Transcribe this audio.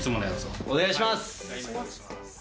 お願いします。